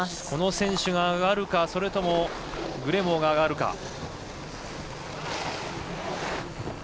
この選手が上がるかそれともグレモーが上がるか。